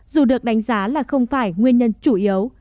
dù được đánh giá là không phải nguyên nhân chủ yếu